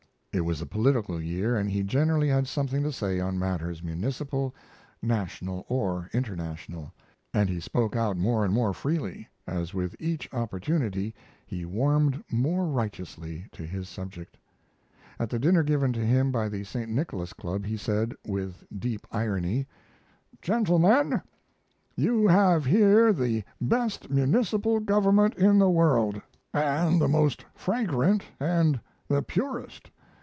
It was a political year, and he generally had something to say on matters municipal, national, or international; and he spoke out more and more freely, as with each opportunity he warmed more righteously to his subject. At the dinner given to him by the St. Nicholas Club he said, with deep irony: Gentlemen, you have here the best municipal government in the world, and the most fragrant and the purest.